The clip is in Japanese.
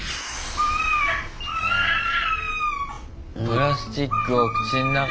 プラスチックを口の中。